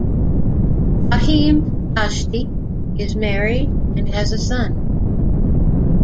Faheem Dashty is married and has a son.